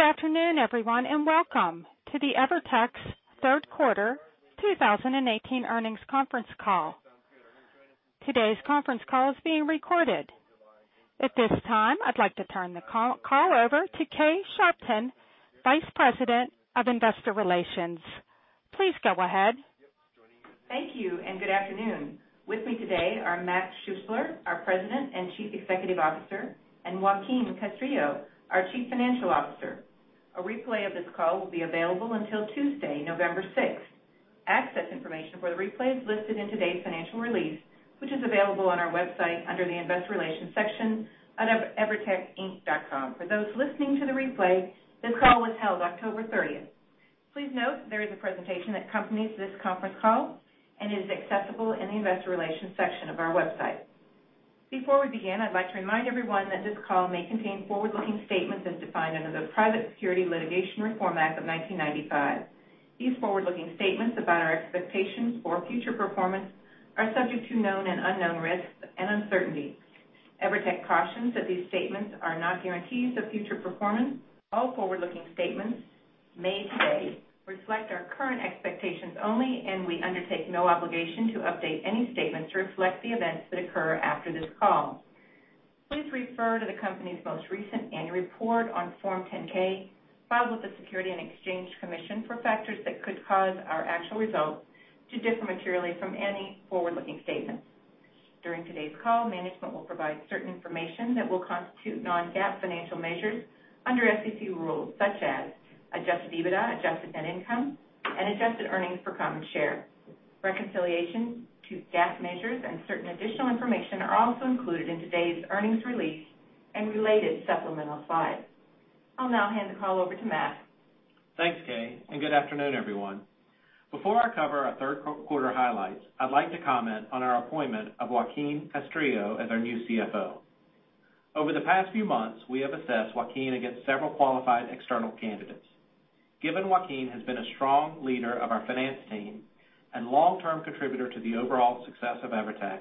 Good afternoon, everyone, and welcome to EVERTEC's third quarter 2018 earnings conference call. Today's conference call is being recorded. At this time, I'd like to turn the call over to Kay Sharpton, Vice President of Investor Relations. Please go ahead. Thank you. Good afternoon. With me today are Morgan Schuessler, our President and Chief Executive Officer, and Joaquín Castrillo, our Chief Financial Officer. A replay of this call will be available until Tuesday, November 6th. Access information for the replay is listed in today's financial release, which is available on our website under the Investor Relations section at evertecinc.com. For those listening to the replay, this call was held October 30th. Please note there is a presentation that accompanies this conference call and is accessible in the Investor Relations section of our website. Before we begin, I'd like to remind everyone that this call may contain forward-looking statements as defined under the Private Securities Litigation Reform Act of 1995. These forward-looking statements about our expectations for future performance are subject to known and unknown risks and uncertainties. EVERTEC cautions that these statements are not guarantees of future performance. All forward-looking statements made today reflect our current expectations only. We undertake no obligation to update any statements to reflect the events that occur after this call. Please refer to the company's most recent annual report on Form 10-K, filed with the Securities and Exchange Commission for factors that could cause our actual results to differ materially from any forward-looking statements. During today's call, management will provide certain information that will constitute non-GAAP financial measures under SEC rules, such as adjusted EBITDA, adjusted net income, and adjusted earnings per common share. Reconciliation to GAAP measures and certain additional information are also included in today's earnings release and related supplemental slides. I'll now hand the call over to Morgan. Thanks, Kay. Good afternoon, everyone. Before I cover our third quarter highlights, I'd like to comment on our appointment of Joaquín Castrillo as our new CFO. Over the past few months, we have assessed Joaquín against several qualified external candidates. Given Joaquín has been a strong leader of our finance team and long-term contributor to the overall success of EVERTEC,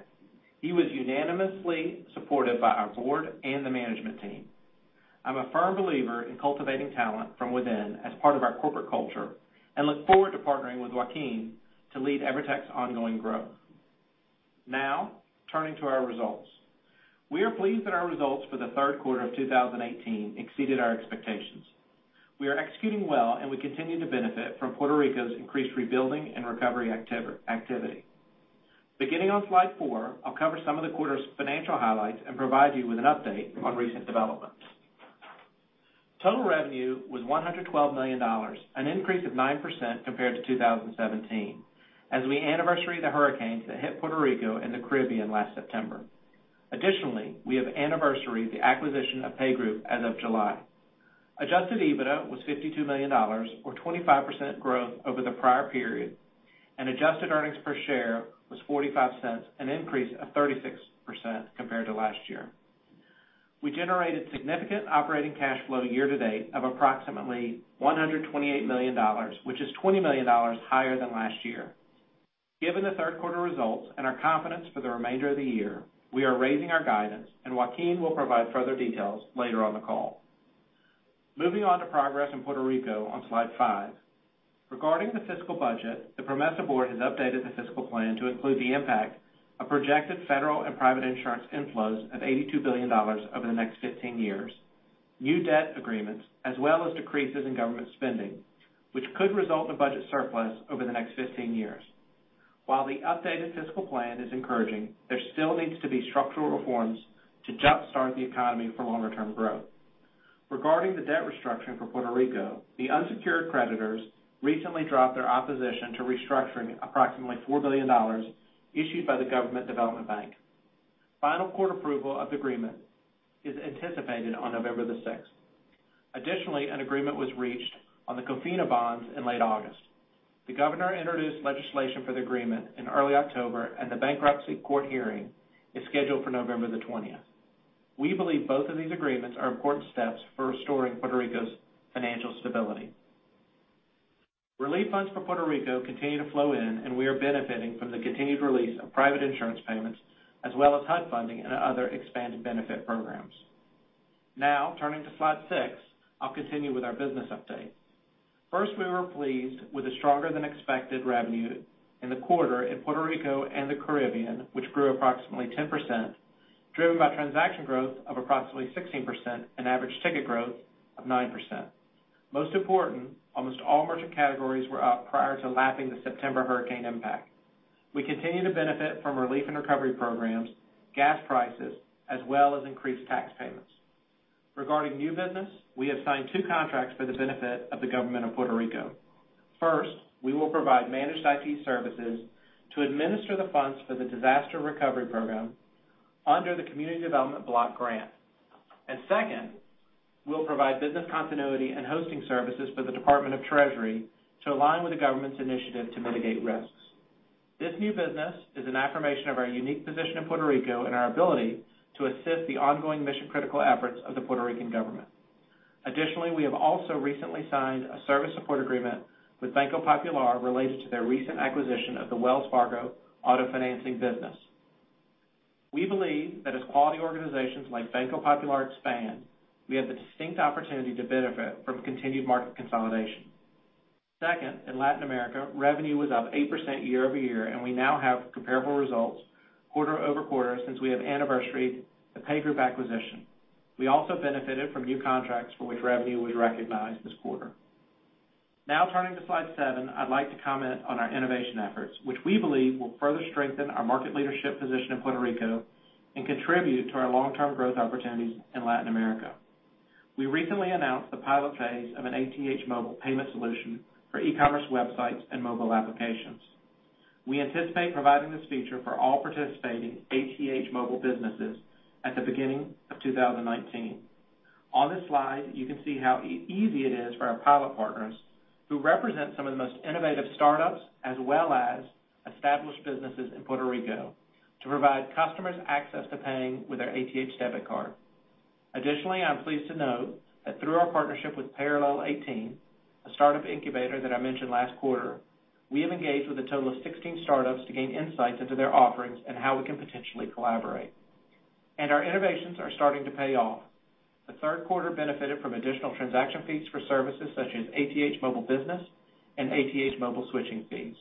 he was unanimously supported by our board and the management team. I'm a firm believer in cultivating talent from within as part of our corporate culture and look forward to partnering with Joaquín to lead EVERTEC's ongoing growth. Now, turning to our results. We are pleased that our results for the third quarter of 2018 exceeded our expectations. We are executing well, and we continue to benefit from Puerto Rico's increased rebuilding and recovery activity. Beginning on Slide four, I will cover some of the quarter's financial highlights and provide you with an update on recent developments. Total revenue was $112 million, an increase of 9% compared to 2017, as we anniversary the hurricanes that hit Puerto Rico and the Caribbean last September. Additionally, we have anniversaried the acquisition of PayGroup as of July. Adjusted EBITDA was $52 million, or 25% growth over the prior period, and adjusted EPS was $0.45, an increase of 36% compared to last year. We generated significant operating cash flow year-to-date of approximately $128 million, which is $20 million higher than last year. Given the third quarter results and our confidence for the remainder of the year, we are raising our guidance, and Joaquín will provide further details later on the call. Moving on to progress in Puerto Rico on Slide five. Regarding the fiscal budget, the PROMESA board has updated the fiscal plan to include the impact of projected federal and private insurance inflows of $82 billion over the next 15 years, new debt agreements, as well as decreases in government spending, which could result in budget surplus over the next 15 years. While the updated fiscal plan is encouraging, there still needs to be structural reforms to jumpstart the economy for longer-term growth. Regarding the debt restructuring for Puerto Rico, the unsecured creditors recently dropped their opposition to restructuring approximately $4 billion issued by the Government Development Bank. Final court approval of the agreement is anticipated on November the 6th. Additionally, an agreement was reached on the COFINA bonds in late August. The governor introduced legislation for the agreement in early October, and the bankruptcy court hearing is scheduled for November the 20th. We believe both of these agreements are important steps for restoring Puerto Rico's financial stability. Relief funds for Puerto Rico continue to flow in, and we are benefiting from the continued release of private insurance payments as well as HUD funding and other expanded benefit programs. Now, turning to Slide six, I will continue with our business update. First, we were pleased with the stronger than expected revenue in the quarter in Puerto Rico and the Caribbean, which grew approximately 10%, driven by transaction growth of approximately 16% and average ticket growth of 9%. Most important, almost all merchant categories were up prior to lapping the September hurricane impact. We continue to benefit from relief and recovery programs, gas prices, as well as increased tax payments. Regarding new business, we have signed two contracts for the benefit of the government of Puerto Rico. First, we will provide managed IT services to administer the funds for the disaster recovery program under the Community Development Block Grant. Second, we will provide business continuity and hosting services for the Puerto Rico Department of Treasury to align with the government's initiative to mitigate risks. This new business is an affirmation of our unique position in Puerto Rico and our ability to assist the ongoing mission-critical efforts of the Puerto Rican government. Additionally, we have also recently signed a service support agreement with Banco Popular related to their recent acquisition of the Wells Fargo auto financing business. We believe that as quality organizations like Banco Popular expand, we have the distinct opportunity to benefit from continued market consolidation. Second, in Latin America, revenue was up 8% year-over-year, and we now have comparable results quarter-over-quarter since we have anniversaried the PayGroup acquisition. We also benefited from new contracts for which revenue was recognized this quarter. Turning to slide seven, I'd like to comment on our innovation efforts, which we believe will further strengthen our market leadership position in Puerto Rico and contribute to our long-term growth opportunities in Latin America. We recently announced the pilot phase of an ATH Móvil payment solution for e-commerce websites and mobile applications. We anticipate providing this feature for all participating ATH Móvil businesses at the beginning of 2019. On this slide, you can see how easy it is for our pilot partners, who represent some of the most innovative startups as well as established businesses in Puerto Rico, to provide customers access to paying with their ATH debit card. Additionally, I'm pleased to note that through our partnership with Parallel18, a startup incubator that I mentioned last quarter, we have engaged with a total of 16 startups to gain insights into their offerings and how we can potentially collaborate. Our innovations are starting to pay off. The third quarter benefited from additional transaction fees for services such as ATH Móvil Business and ATH Móvil switching fees.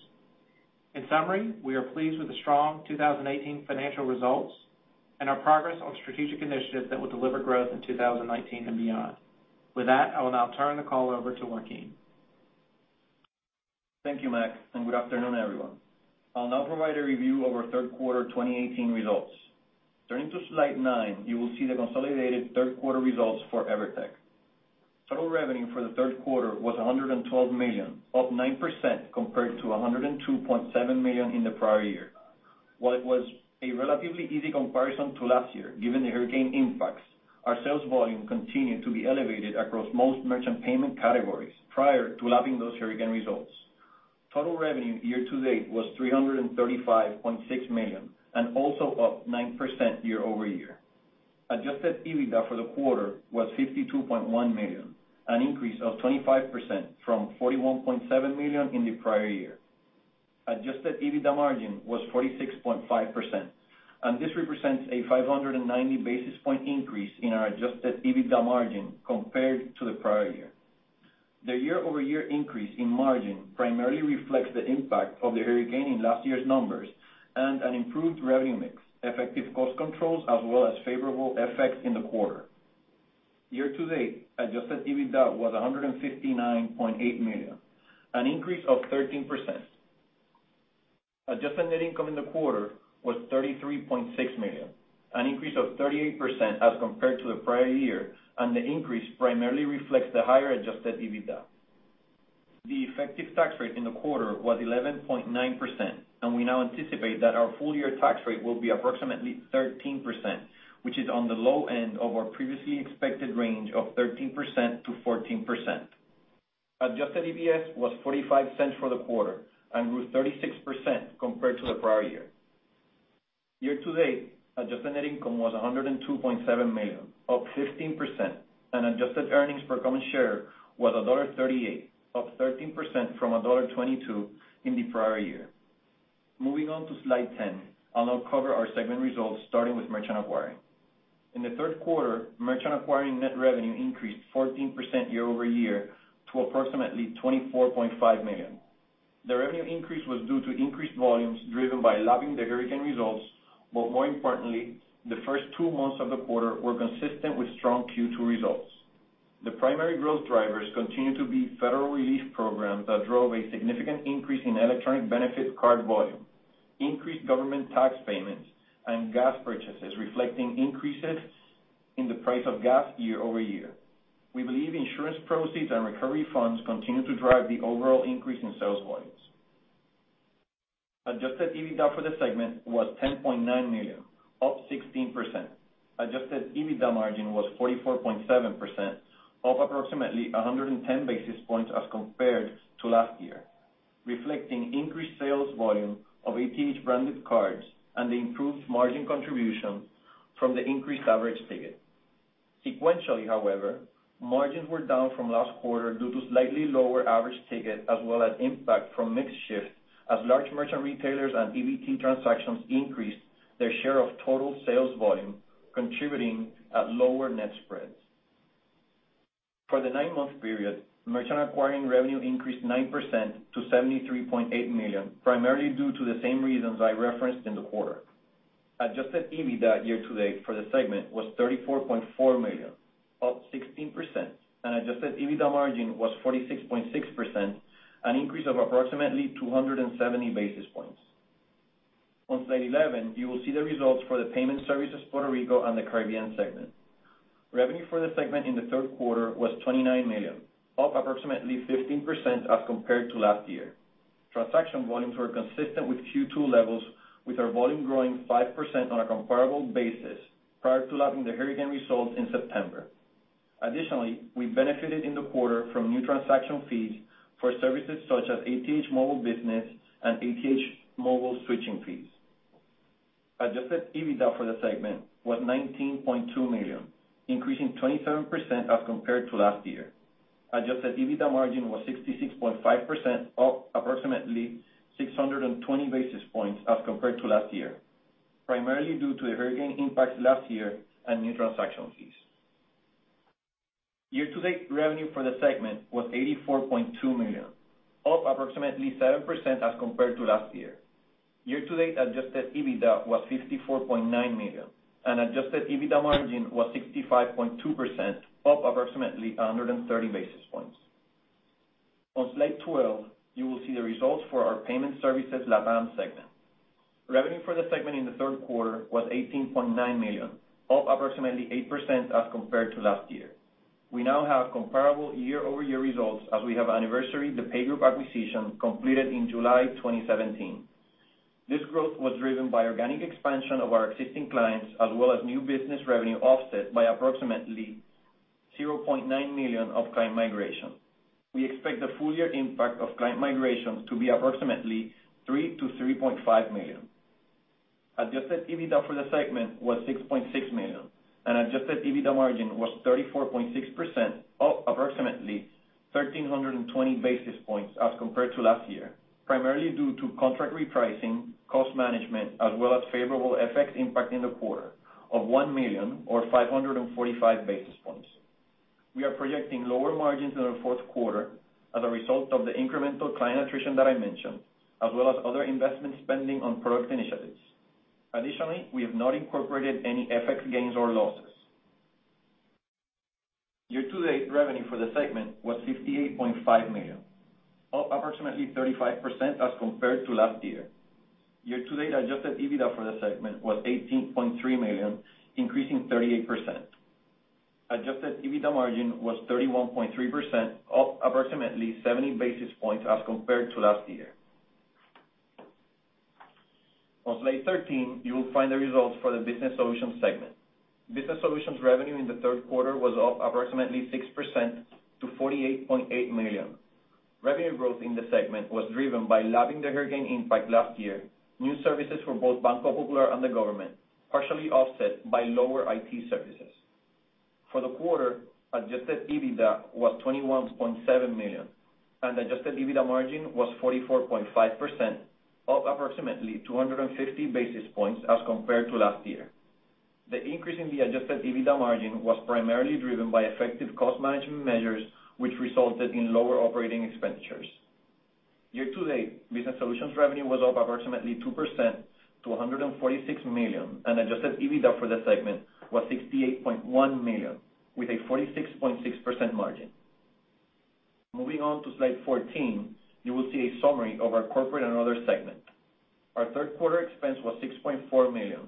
In summary, we are pleased with the strong 2018 financial results and our progress on strategic initiatives that will deliver growth in 2019 and beyond. With that, I will now turn the call over to Joaquín. Thank you, Mac, and good afternoon, everyone. I'll now provide a review of our third quarter 2018 results. Turning to slide nine, you will see the consolidated third quarter results for EVERTEC. Total revenue for the third quarter was $112 million, up 9% compared to $102.7 million in the prior year. While it was a relatively easy comparison to last year, given the hurricane impacts, our sales volume continued to be elevated across most merchant payment categories prior to lapping those hurricane results. Total revenue year-to-date was $335.6 million and also up 9% year-over-year. Adjusted EBITDA for the quarter was $52.1 million, an increase of 25% from $41.7 million in the prior year. Adjusted EBITDA margin was 46.5%, and this represents a 590 basis point increase in our adjusted EBITDA margin compared to the prior year. The year-over-year increase in margin primarily reflects the impact of the hurricane in last year's numbers and an improved revenue mix, effective cost controls, as well as favorable effects in the quarter. Year-to-date, adjusted EBITDA was $159.8 million, an increase of 13%. Adjusted net income in the quarter was $33.6 million, an increase of 38% as compared to the prior year. The increase primarily reflects the higher adjusted EBITDA. The effective tax rate in the quarter was 11.9%, and we now anticipate that our full-year tax rate will be approximately 13%, which is on the low end of our previously expected range of 13%-14%. Adjusted EPS was $0.45 for the quarter and grew 36% compared to the prior year. Year-to-date, adjusted net income was $102.7 million, up 15%, and adjusted earnings per common share was $1.38, up 13% from $1.22 in the prior year. Moving on to slide 10, I'll now cover our segment results, starting with Merchant Acquiring. In the third quarter, Merchant Acquiring net revenue increased 14% year-over-year to approximately $24.5 million. The revenue increase was due to increased volumes driven by lapping the hurricane results, but more importantly, the first two months of the quarter were consistent with strong Q2 results. The primary growth drivers continue to be federal relief programs that drove a significant increase in electronic benefit card volume, increased government tax payments, and gas purchases reflecting increases in the price of gas year-over-year. We believe insurance proceeds and recovery funds continue to drive the overall increase in sales volumes. Adjusted EBITDA for the segment was $10.9 million, up 16%. Adjusted EBITDA margin was 44.7%, up approximately 110 basis points as compared to last year, reflecting increased sales volume of ATH-branded cards and the improved margin contribution from the increased average ticket. Sequentially, however, margins were down from last quarter due to slightly lower average ticket as well as impact from mix shift as large merchant retailers and EBT transactions increased their share of total sales volume, contributing at lower net spreads. For the nine-month period, Merchant Acquiring revenue increased 9% to $73.8 million, primarily due to the same reasons I referenced in the quarter. Adjusted EBITDA year-to-date for the segment was $34.4 million, up 16%, and adjusted EBITDA margin was 46.6%, an increase of approximately 270 basis points. On slide 11, you will see the results for the Payment Services Puerto Rico and the Caribbean segment. Revenue for the segment in the third quarter was $29 million, up approximately 15% as compared to last year. Transaction volumes were consistent with Q2 levels, with our volume growing 5% on a comparable basis prior to lapping the hurricane results in September. Additionally, we benefited in the quarter from new transaction fees for services such as ATH Móvil Business and ATH Móvil switching fees. Adjusted EBITDA for the segment was $19.2 million, increasing 27% as compared to last year. Adjusted EBITDA margin was 66.5%, up approximately 620 basis points as compared to last year, primarily due to the hurricane impacts last year and new transaction fees. Year-to-date revenue for the segment was $84.2 million, up approximately 7% as compared to last year. Year-to-date adjusted EBITDA was $54.9 million and adjusted EBITDA margin was 65.2%, up approximately 130 basis points. On slide 12, you will see the results for our Payment Services LatAm segment. Revenue for the segment in the third quarter was $18.9 million, up approximately 8% as compared to last year. We now have comparable year-over-year results as we have anniversary the PayGroup acquisition completed in July 2017. This growth was driven by organic expansion of our existing clients, as well as new business revenue offset by approximately $0.9 million of client migration. We expect the full year impact of client migrations to be approximately $3 million to $3.5 million. Adjusted EBITDA for the segment was $6.6 million and adjusted EBITDA margin was 34.6%, up approximately 1,320 basis points as compared to last year, primarily due to contract repricing, cost management, as well as favorable FX impact in the quarter of $1 million or 545 basis points. We are projecting lower margins in the fourth quarter as a result of the incremental client attrition that I mentioned, as well as other investment spending on product initiatives. Additionally, we have not incorporated any FX gains or losses. Year-to-date revenue for the segment was $58.5 million, up approximately 35% as compared to last year. Year-to-date adjusted EBITDA for the segment was $18.3 million, increasing 38%. Adjusted EBITDA margin was 31.3%, up approximately 70 basis points as compared to last year. On slide 13, you will find the results for the Business Solutions segment. Business Solutions revenue in the third quarter was up approximately 6% to $48.8 million. Revenue growth in the segment was driven by lapping the hurricane impact last year, new services for both Banco Popular and the government, partially offset by lower IT services. For the quarter, adjusted EBITDA was $21.7 million and adjusted EBITDA margin was 44.5%, up approximately 250 basis points as compared to last year. The increase in the adjusted EBITDA margin was primarily driven by effective cost management measures, which resulted in lower operating expenditures. Year-to-date, Business Solutions revenue was up approximately 2% to $146 million, and adjusted EBITDA for the segment was $68.1 million with a 46.6% margin. Moving on to slide 14, you will see a summary of our Corporate and Other segment. Our third quarter expense was $6.4 million,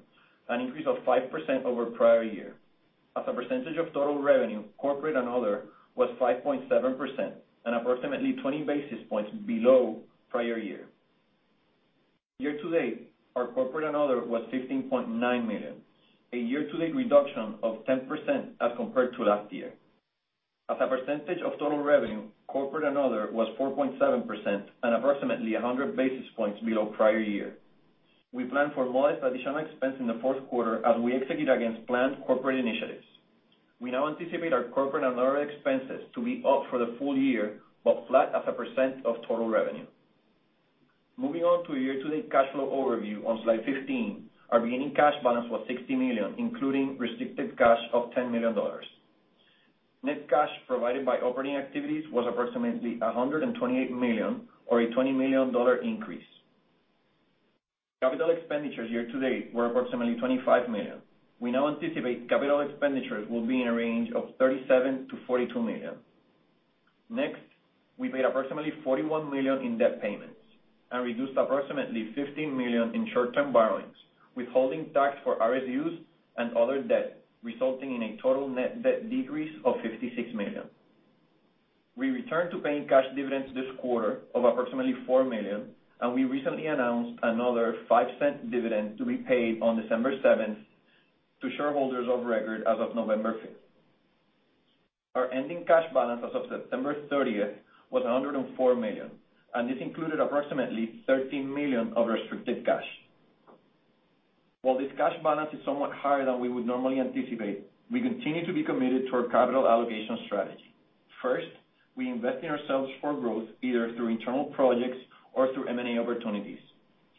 an increase of 5% over prior year. As a percentage of total revenue, Corporate and Other was 5.7% and approximately 20 basis points below prior year. Year-to-date, our Corporate and Other was $15.9 million, a year-to-date reduction of 10% as compared to last year. As a percentage of total revenue, Corporate and Other was 4.7% and approximately 100 basis points below prior year. We plan for modest additional expense in the fourth quarter as we execute against planned corporate initiatives. We now anticipate our Corporate and Other expenses to be up for the full year, but flat as a % of total revenue. Moving on to year-to-date cash flow overview on slide 15. Our beginning cash balance was $60 million, including restricted cash of $10 million. Net cash provided by operating activities was approximately $128 million or a $20 million increase. Capital expenditures year-to-date were approximately $25 million. We now anticipate capital expenditures will be in a range of $37 million-$42 million. We paid approximately $41 million in debt payments and reduced approximately $15 million in short-term borrowings, withholding tax for RSUs and other debt, resulting in a total net debt decrease of $56 million. We returned to paying cash dividends this quarter of approximately $4 million, and we recently announced another $0.05 dividend to be paid on December 7th to shareholders of record as of November 5th. Our ending cash balance as of September 30th was $104 million, and this included approximately $13 million of restricted cash. While this cash balance is somewhat higher than we would normally anticipate, we continue to be committed to our capital allocation strategy. First, we invest in ourselves for growth, either through internal projects or through M&A opportunities.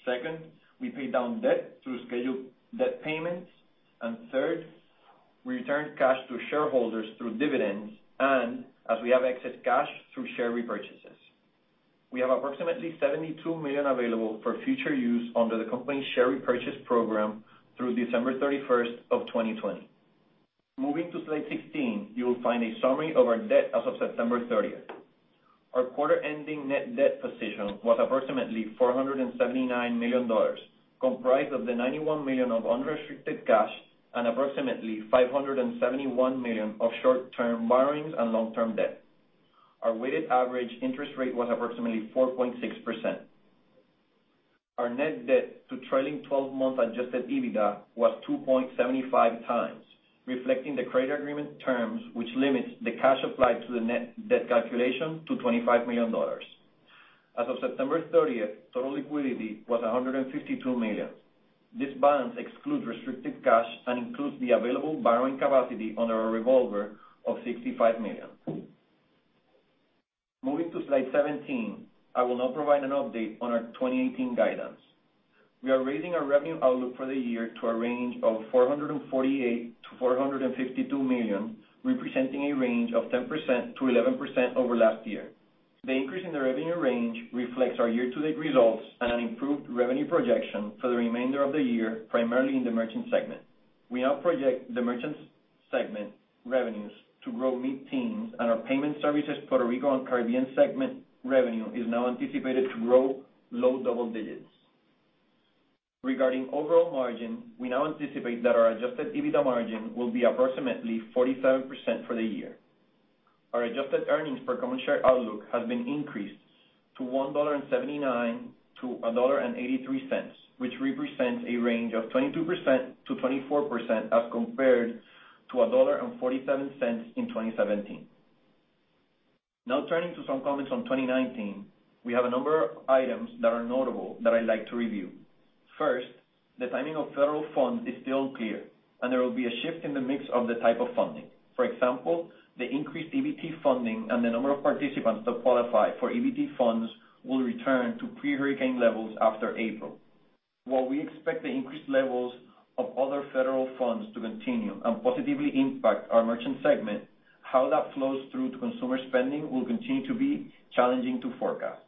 Second, we pay down debt through scheduled debt payments. Third, we return cash to shareholders through dividends and as we have excess cash through share repurchases. We have approximately $72 million available for future use under the company's share repurchase program through December 31st of 2020. Moving to slide 16, you will find a summary of our debt as of September 30th. Our quarter-ending net debt position was approximately $479 million, comprised of the $91 million of unrestricted cash and approximately $571 million of short-term borrowings and long-term debt. Our weighted average interest rate was approximately 4.6%. Our net debt to trailing 12 months adjusted EBITDA was 2.75 times, reflecting the credit agreement terms, which limits the cash applied to the net debt calculation to $25 million. As of September 30th, total liquidity was $152 million. This balance excludes restricted cash and includes the available borrowing capacity under our revolver of $65 million. Moving to slide 17, I will now provide an update on our 2018 guidance. We are raising our revenue outlook for the year to a range of $448 million-$452 million, representing a range of 10%-11% over last year. The increase in the revenue range reflects our year-to-date results and an improved revenue projection for the remainder of the year, primarily in the Merchant segment. We now project the Merchant segment revenues to grow mid-teens and our Payment Services Puerto Rico and Caribbean segment revenue is now anticipated to grow low double digits. Regarding overall margin, we now anticipate that our adjusted EBITDA margin will be approximately 47% for the year. Our adjusted earnings per common share outlook has been increased to $1.79-$1.83, which represents a range of 22%-24% as compared to $1.47 in 2017. Now turning to some comments on 2019, we have a number of items that are notable that I'd like to review. First, the timing of federal funds is still clear, and there will be a shift in the mix of the type of funding. For example, the increased EBT funding and the number of participants that qualify for EBT funds will return to pre-hurricane levels after April. While we expect the increased levels of other federal funds to continue and positively impact our Merchant segment, how that flows through to consumer spending will continue to be challenging to forecast.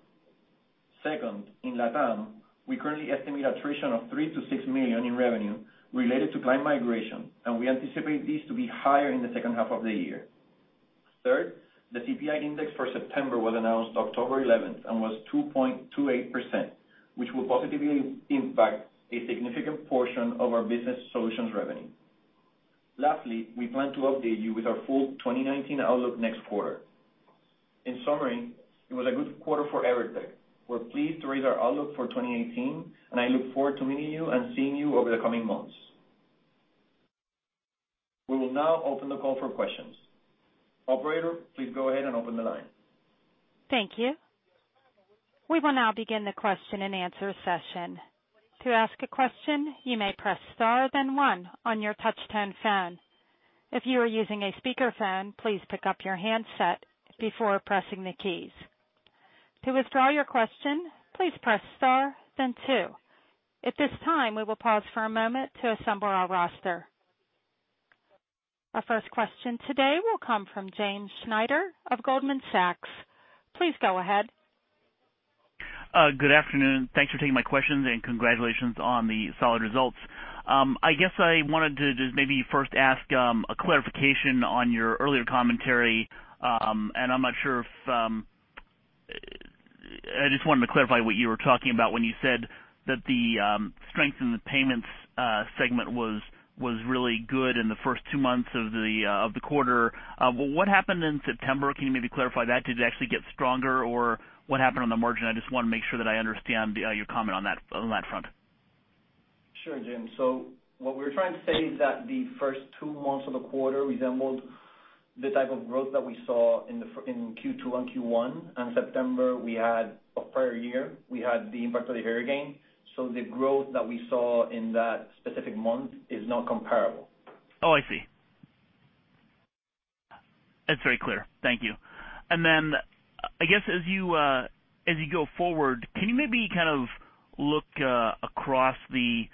Second, in LatAm, we currently estimate attrition of $3 million-$6 million in revenue related to client migration, and we anticipate this to be higher in the second half of the year. Third, the CPI index for September was announced October 11th and was 2.28%, which will positively impact a significant portion of our Business Solutions revenue. Lastly, we plan to update you with our full 2019 outlook next quarter. In summary, it was a good quarter for EVERTEC. We're pleased to raise our outlook for 2018. I look forward to meeting you and seeing you over the coming months. We will now open the call for questions. Operator, please go ahead and open the line. Thank you. We will now begin the question-and-answer session. To ask a question, you may press star, then one on your touch-tone phone. If you are using a speakerphone, please pick up your handset before pressing the keys. To withdraw your question, please press star, then two. At this time, we will pause for a moment to assemble our roster. Our first question today will come from James Schneider of Goldman Sachs. Please go ahead. Good afternoon. Thanks for taking my questions. Congratulations on the solid results. I guess I wanted to just maybe first ask a clarification on your earlier commentary, and I'm not sure if I just wanted to clarify what you were talking about when you said that the strength in the Payments segment was really good in the first two months of the quarter. What happened in September? Can you maybe clarify that? Did it actually get stronger, or what happened on the margin? I just want to make sure that I understand your comment on that front. Sure, James. What we were trying to say is that the first two months of the quarter resembled the type of growth that we saw in Q2 and Q1. In September, we had a prior year. We had the impact of the hurricane. The growth that we saw in that specific month is not comparable. Oh, I see. That's very clear. Thank you. I guess as you go forward, can you maybe kind of look across the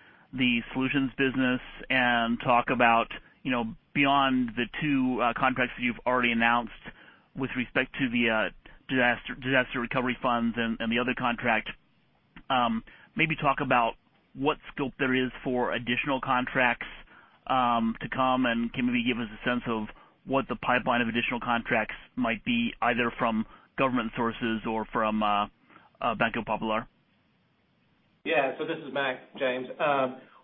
Solutions business and talk about beyond the two contracts that you've already announced with respect to the disaster recovery funds and the other contract. Maybe talk about what scope there is for additional contracts to come, and can maybe give us a sense of what the pipeline of additional contracts might be, either from government sources or from Banco Popular. Yeah. This is Mac, James.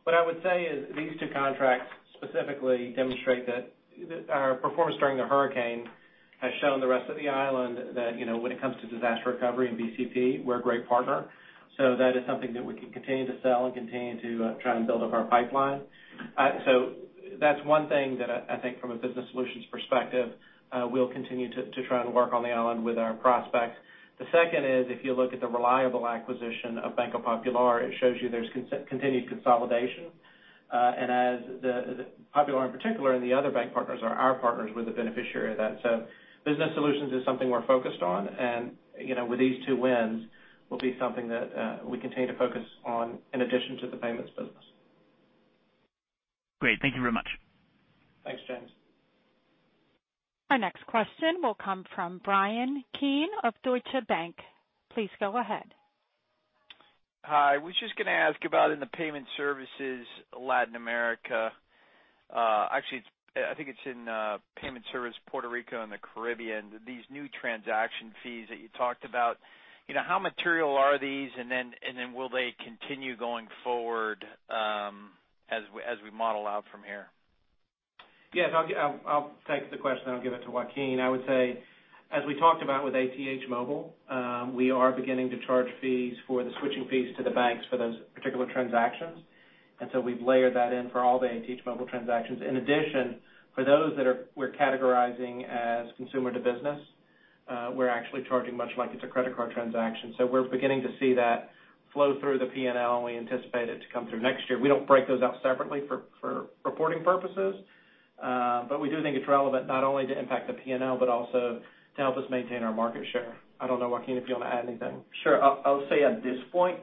What I would say is these two contracts specifically demonstrate that our performance during the hurricane has shown the rest of the island that when it comes to disaster recovery and BCP, we're a great partner. That is something that we can continue to sell and continue to try and build up our pipeline. That's one thing that I think from a business solutions perspective, we'll continue to try and work on the island with our prospects. The second is, if you look at the reliable acquisition of Banco Popular, it shows you there's continued consolidation. As Popular in particular and the other bank partners are our partners, we're the beneficiary of that. Business solutions is something we're focused on, and with these two wins, will be something that we continue to focus on in addition to the payments business. Great. Thank you very much. Thanks, James. Our next question will come from Bryan Keane of Deutsche Bank. Please go ahead. Hi. Was just going to ask about in the Payment Services Latin America. Actually, I think it's in Payment Services Puerto Rico and the Caribbean. These new transaction fees that you talked about, how material are these, will they continue going forward as we model out from here? Yes. I'll take the question, and I'll give it to Joaquín. I would say, as we talked about with ATH Móvil, we are beginning to charge fees for the switching fees to the banks for those particular transactions. We've layered that in for all the ATH Móvil transactions. In addition, for those that we're categorizing as consumer-to-business, we're actually charging much like it's a credit card transaction. We're beginning to see that flow through the P&L, and we anticipate it to come through next year. We don't break those out separately for reporting purposes, but we do think it's relevant not only to impact the P&L, but also to help us maintain our market share. I don't know, Joaquín, if you want to add anything. Sure. I'll say at this point,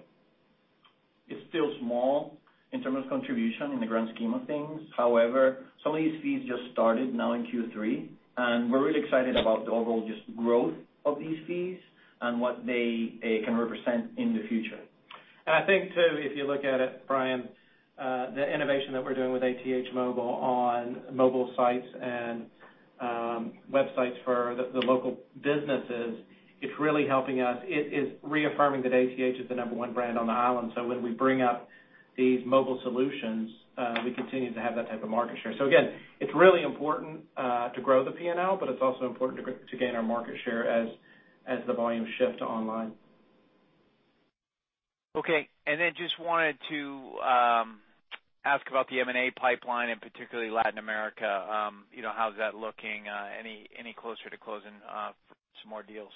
it's still small in terms of contribution in the grand scheme of things. However, some of these fees just started now in Q3, and we're really excited about the overall just growth of these fees and what they can represent in the future. I think, too, if you look at it, Bryan, the innovation that we're doing with ATH Móvil on mobile sites and websites for the local businesses, it's really helping us. It is reaffirming that ATH is the number one brand on the island, when we bring up these mobile solutions, we continue to have that type of market share. Again, it's really important to grow the P&L, but it's also important to gain our market share as the volumes shift to online. Okay. Just wanted to ask about the M&A pipeline, and particularly Latin America. How's that looking? Any closer to closing some more deals?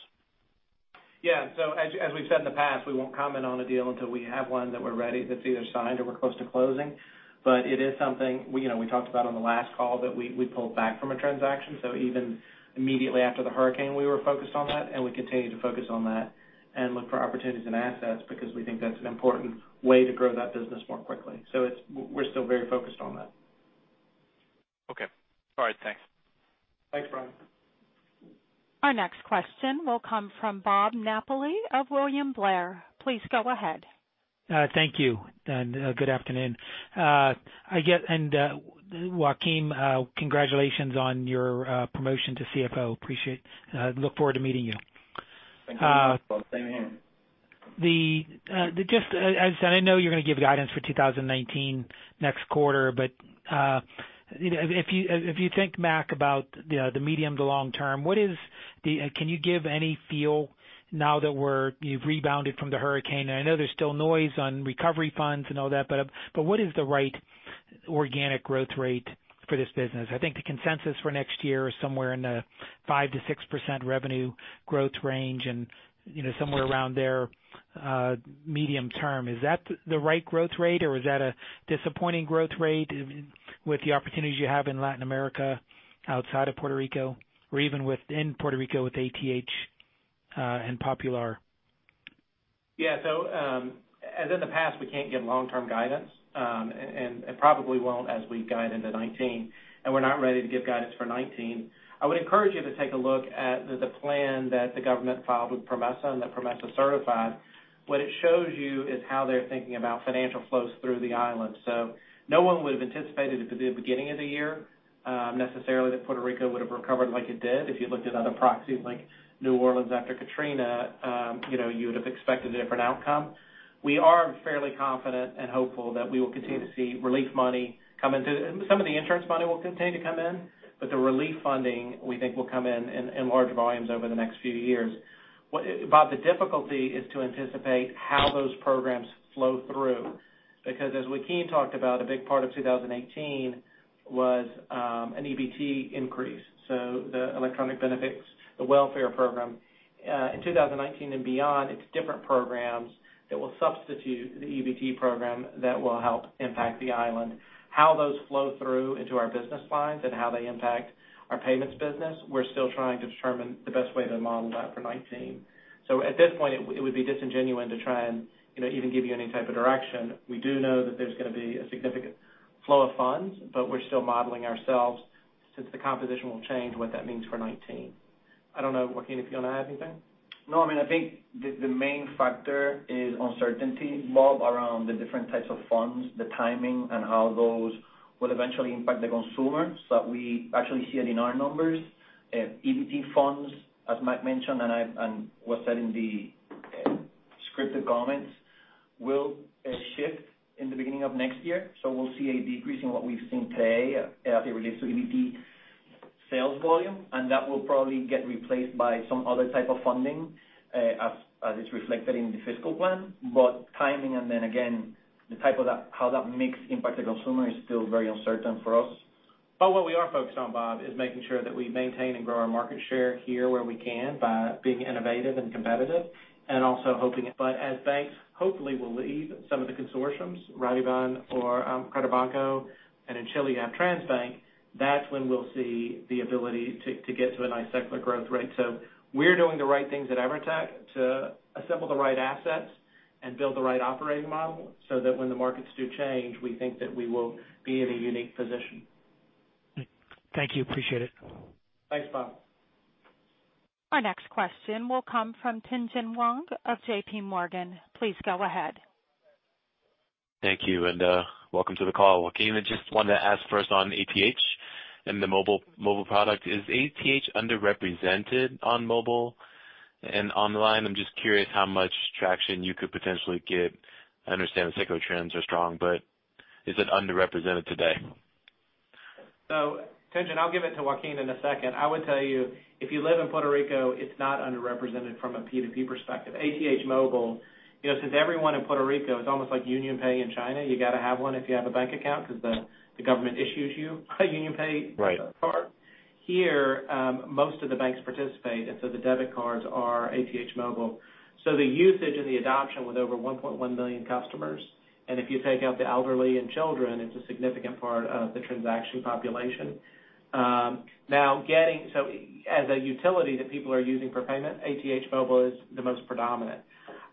Yeah. As we've said in the past, we won't comment on a deal until we have one that we're ready, that's either signed or we're close to closing. It is something we talked about on the last call that we pulled back from a transaction. Even immediately after the hurricane, we were focused on that, and we continue to focus on that and look for opportunities and assets because we think that's an important way to grow that business more quickly. We're still very focused on that. Okay. All right. Thanks. Thanks, Bryan. Our next question will come from Robert Napoli of William Blair. Please go ahead. Thank you, and good afternoon. Joaquín, congratulations on your promotion to CFO. Appreciate it. Look forward to meeting you. Thank you, Bob. Same here. I know you're going to give guidance for 2019 next quarter, but if you think, Mac, about the medium to long term, can you give any feel now that you've rebounded from the hurricane? I know there's still noise on recovery funds and all that, but what is the right organic growth rate for this business? I think the consensus for next year is somewhere in the 5%-6% revenue growth range and somewhere around there medium term. Is that the right growth rate, or is that a disappointing growth rate with the opportunities you have in Latin America outside of Puerto Rico, or even within Puerto Rico with ATH and Popular? As in the past, we can't give long-term guidance, and probably won't as we guide into 2019, and we're not ready to give guidance for 2019. I would encourage you to take a look at the plan that the government filed with PROMESA and that PROMESA certified. What it shows you is how they're thinking about financial flows through the island. No one would've anticipated at the beginning of the year necessarily that Puerto Rico would've recovered like it did. If you looked at other proxies like New Orleans after Hurricane Katrina, you would've expected a different outcome. We are fairly confident and hopeful that we will continue to see relief money come in. Some of the insurance money will continue to come in, but the relief funding we think will come in in large volumes over the next few years. Bob, the difficulty is to anticipate how those programs flow through, because as Joaquín talked about, a big part of 2018 was an EBT increase. The electronic benefits, the welfare program. In 2019 and beyond, it's different programs that will substitute the EBT program that will help impact the island. How those flow through into our business lines and how they impact our payments business, we're still trying to determine the best way to model that for 2019. At this point, it would be disingenuous to try and even give you any type of direction. We do know that there's going to be a significant flow of funds, but we're still modeling ourselves since the composition will change what that means for 2019. I don't know, Joaquín, if you want to add anything? I think the main factor is uncertainty, Bob, around the different types of funds, the timing, and how those will eventually impact the consumer. We actually see it in our numbers. EBT funds, as Mac mentioned, and was said in the scripted comments, will shift in the beginning of next year. We'll see a decrease in what we've seen today as it relates to EBT sales volume, and that will probably get replaced by some other type of funding as is reflected in the fiscal plan. Timing, and then again, how that mix impacts the consumer is still very uncertain for us. What we are focused on, Bob, is making sure that we maintain and grow our market share here where we can by being innovative and competitive, and also hoping. As banks hopefully will leave some of the consortiums, Redeban or Credibanco, and in Chile you have Transbank, that's when we'll see the ability to get to a nice secular growth rate. We're doing the right things at EVERTEC to assemble the right assets and build the right operating model so that when the markets do change, we think that we will be in a unique position. Thank you. Appreciate it. Thanks, Bob. Our next question will come from Tien-Tsin Huang of JPMorgan. Please go ahead. Thank you, and welcome to the call. Joaquín, I just wanted to ask first on ATH and the mobile product. Is ATH underrepresented on mobile and online? I'm just curious how much traction you could potentially get. I understand the secular trends are strong, but is it underrepresented today? Tien-Tsin, I'll give it to Joaquín in a second. I would tell you, if you live in Puerto Rico, it's not underrepresented from a P2P perspective. ATH Móvil, since everyone in Puerto Rico, it's almost like UnionPay in China. You got to have one if you have a bank account because the government issues you a UnionPay card. Right. Here, most of the banks participate, the debit cards are ATH Móvil. The usage and the adoption with over 1.1 million customers, and if you take out the elderly and children, it's a significant part of the transaction population. As a utility that people are using for payment, ATH Móvil is the most predominant.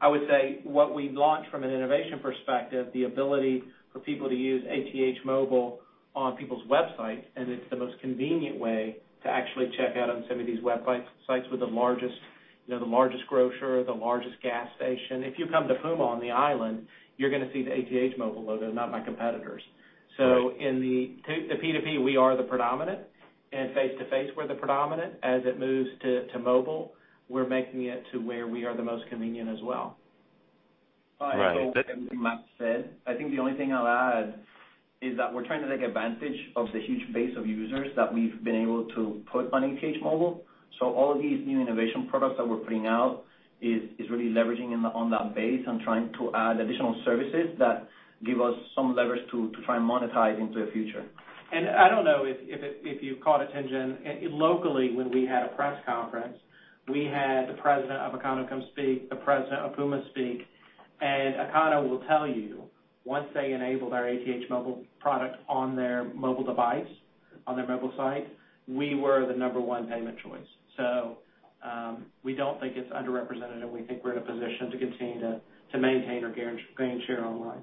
I would say what we've launched from an innovation perspective, the ability for people to use ATH Móvil on people's websites, and it's the most convenient way to actually check out on some of these websites with the largest grocer, the largest gas station. If you come to Puma on the island, you're going to see the ATH Móvil logo, not my competitors'. Right. In the P2P, we are the predominant, and face-to-face, we're the predominant. As it moves to mobile, we're making it to where we are the most convenient as well. Right. I echo everything Mac said. I think the only thing I'll add is that we're trying to take advantage of the huge base of users that we've been able to put on ATH Móvil. All these new innovation products that we're putting out is really leveraging on that base and trying to add additional services that give us some leverage to try and monetize into the future. I don't know if you caught it, Tien-Tsin, locally, when we had a press conference, we had the president of Econo come speak, the president of Puma speak. Econo will tell you, once they enabled our ATH Móvil product on their mobile device, on their mobile site, we were the number one payment choice. We don't think it's underrepresented, and we think we're in a position to continue to maintain or gain share online.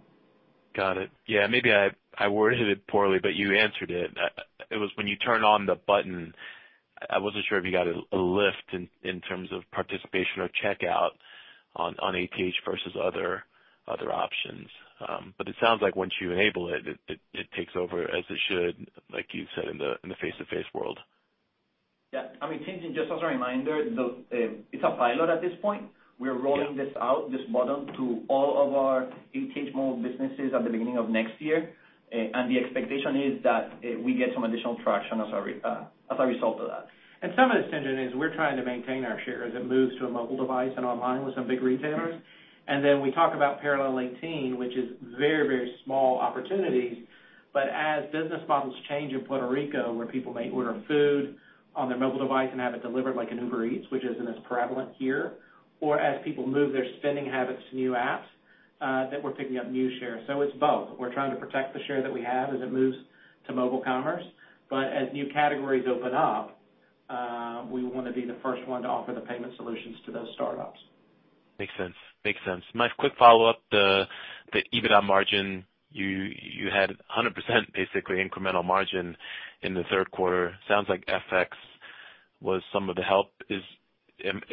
Got it. Yeah. Maybe I worded it poorly, but you answered it. It was when you turn on the button, I wasn't sure if you got a lift in terms of participation or checkout on ATH versus other options. It sounds like once you enable it takes over as it should, like you said, in the face-to-face world. Yeah. Just as a reminder, it's a pilot at this point. We're rolling this out, this model, to all of our ATH Móvil Business at the beginning of next year. The expectation is that we get some additional traction as a result of that. Some of this, Tien-Tsin, is we're trying to maintain our share as it moves to a mobile device and online with some big retailers. We talk about Parallel18, which is very small opportunities. As business models change in Puerto Rico, where people may order food on their mobile device and have it delivered like an Uber Eats, which isn't as prevalent here, or as people move their spending habits to new apps, that we're picking up new share. It's both. We're trying to protect the share that we have as it moves to mobile commerce. As new categories open up, we want to be the first one to offer the payment solutions to those startups. Makes sense. Mac, quick follow-up. The EBITDA margin, you had 100%, basically, incremental margin in the third quarter. Sounds like FX was some of the help. Is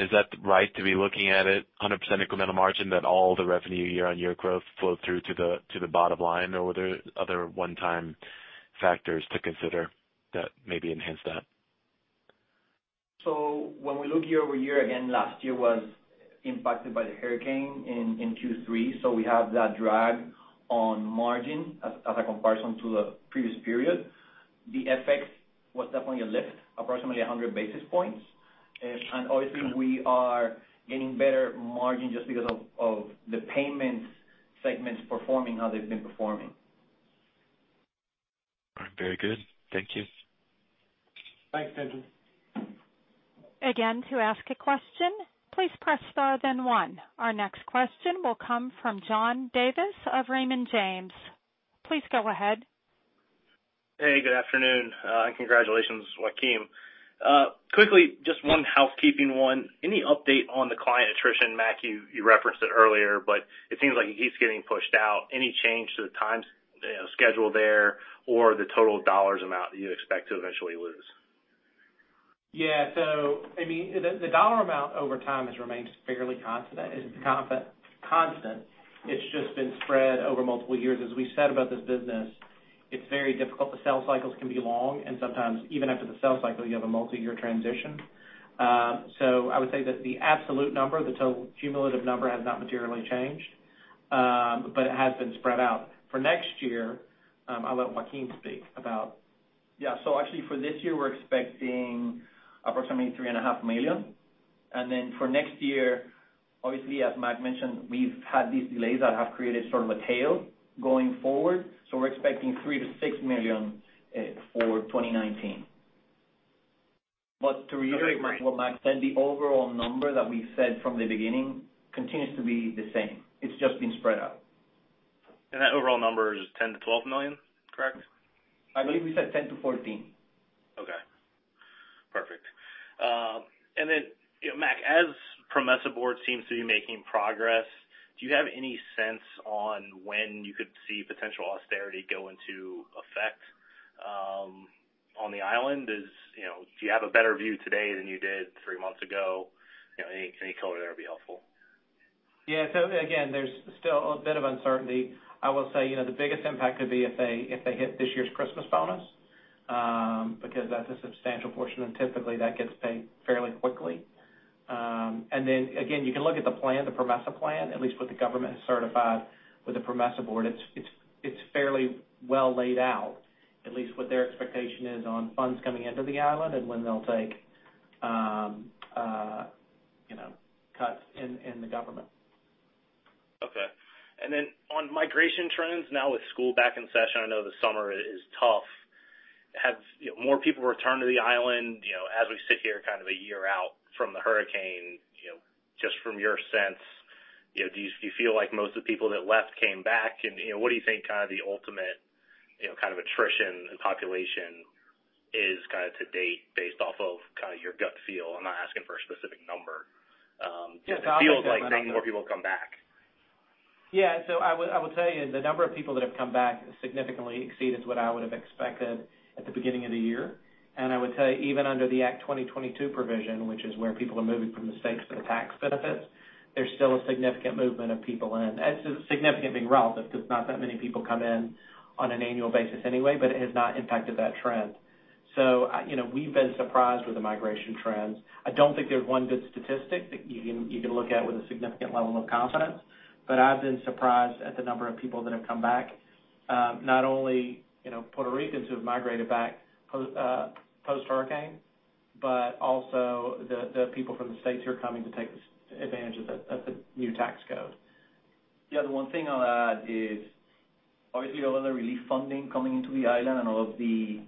that right to be looking at it, 100% incremental margin, that all the revenue year-on-year growth flowed through to the bottom line? Or were there other one-time factors to consider that maybe enhanced that? When we look year-over-year, again, last year was impacted by the hurricane in Q3, we have that drag on margin as a comparison to the previous period. The FX was definitely a lift, approximately 100 basis points. Obviously we are getting better margin just because of the payments segments performing how they've been performing. All right. Very good. Thank you. Thanks, Tien-Tsin. Again, to ask a question, please press star then one. Our next question will come from John Davis of Raymond James. Please go ahead. Hey, good afternoon. Congratulations, Joaquín. Quickly, just one housekeeping one. Any update on the client attrition? Mac, you referenced it earlier, but it seems like it keeps getting pushed out. Any change to the times schedule there, or the total dollars amount that you expect to eventually lose? Yeah. The dollar amount over time has remained fairly constant. It's just been spread over multiple years. As we've said about this business, it's very difficult. The sales cycles can be long, and sometimes even after the sales cycle, you have a multi-year transition. I would say that the absolute number, the total cumulative number, has not materially changed. It has been spread out. For next year, I'll let Joaquín speak about. Yeah. Actually for this year, we're expecting approximately $three and a half million. For next year, obviously, as Mac mentioned, we've had these delays that have created sort of a tail going forward. We're expecting $3 million-$6 million for 2019. To reiterate what Mac said, the overall number that we said from the beginning continues to be the same. It's just been spread out. That overall number is $10 million-$12 million, correct? I believe we said $10 million-$14 million. Okay. Perfect. Mac, as PROMESA board seems to be making progress, do you have any sense on when you could see potential austerity go into effect on the island? Do you have a better view today than you did three months ago? Any color there would be helpful. Yeah. Again, there's still a bit of uncertainty. I will say, the biggest impact could be if they hit this year's Christmas bonus because that's a substantial portion, and typically that gets paid fairly quickly. Again, you can look at the PROMESA plan, at least what the government has certified with the PROMESA board. It's fairly well laid out, at least what their expectation is on funds coming into the island and when they'll take cuts in the government. Okay. On migration trends now with school back in session, I know the summer is tough. Have more people returned to the island as we sit here kind of a year out from the hurricane? Just from your sense, do you feel like most of the people that left came back? What do you think the ultimate kind of attrition in population is to date based off of your gut feel? I'm not asking for a specific number. Yeah. It feels like more people have come back. Yeah. I will tell you, the number of people that have come back significantly exceeded what I would have expected at the beginning of the year. I would say even under the Act 20 and Act 22 provision, which is where people are moving from the U.S. for the tax benefits, there's still a significant movement of people in. Significant being relative, because not that many people come in on an annual basis anyway, but it has not impacted that trend. We've been surprised with the migration trends. I don't think there's one good statistic that you can look at with a significant level of confidence, but I've been surprised at the number of people that have come back. Not only Puerto Ricans who have migrated back post-hurricane, but also the people from the U.S. who are coming to take advantage of the new tax code. Yeah. The one thing I'll add is, obviously a lot of the relief funding coming into the island and a lot of the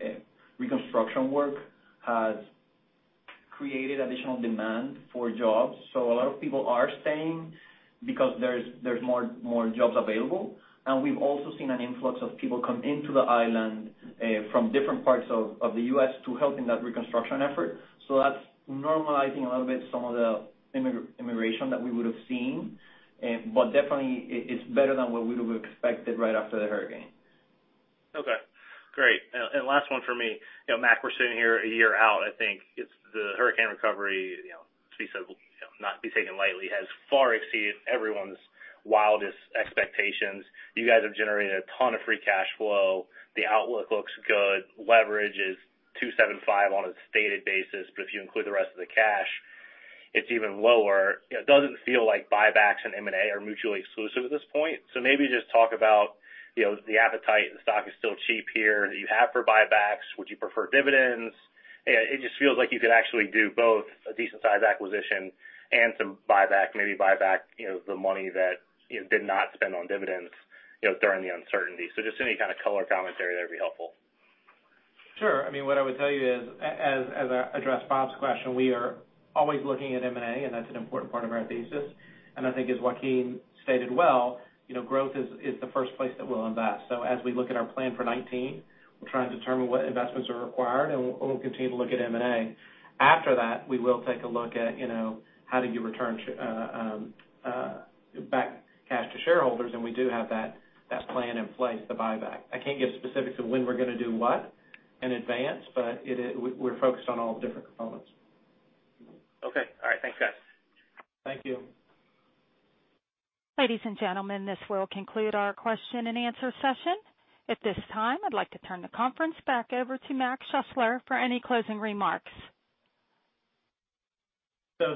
reconstruction work has created additional demand for jobs. A lot of people are staying because there's more jobs available. We've also seen an influx of people come into the island from different parts of the U.S. to help in that reconstruction effort. That's normalizing a little bit some of the immigration that we would have seen. Definitely, it's better than what we would have expected right after the hurricane. Okay. Great. Last one for me. Mac, we're sitting here a year out, I think. The hurricane recovery, not to be taken lightly, has far exceeded everyone's wildest expectations. You guys have generated a ton of free cash flow. The outlook looks good. Leverage is 275 on a stated basis, but if you include the rest of the cash, it's even lower. Does it feel like buybacks and M&A are mutually exclusive at this point? Maybe just talk about the appetite, the stock is still cheap here, that you have for buybacks. Would you prefer dividends? It just feels like you could actually do both a decent-sized acquisition and some buyback, maybe buyback the money that you did not spend on dividends during the uncertainty. Just any kind of color commentary there would be helpful. Sure. What I would tell you is, as I addressed Bob's question, we are always looking at M&A, and that's an important part of our thesis. I think as Joaquín stated well, growth is the first place that we'll invest. As we look at our plan for 2019, we're trying to determine what investments are required, and we'll continue to look at M&A. After that, we will take a look at how do you return back cash to shareholders, and we do have that plan in place, the buyback. I can't give specifics of when we're going to do what in advance, but we're focused on all different components. Okay. All right. Thanks, guys. Thank you. Ladies and gentlemen, this will conclude our question and answer session. At this time, I'd like to turn the conference back over to Morgan Schuessler for any closing remarks.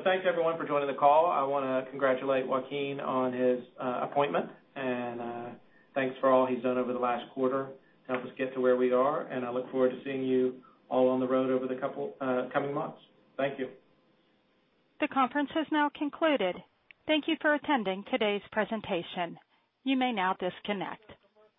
Thanks everyone for joining the call. I want to congratulate Joaquín on his appointment, and thanks for all he's done over the last quarter to help us get to where we are, and I look forward to seeing you all on the road over the coming months. Thank you. The conference has now concluded. Thank you for attending today's presentation. You may now disconnect.